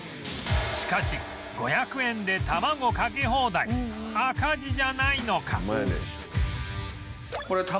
しかし５００円で卵かけ放題赤字じゃないのか？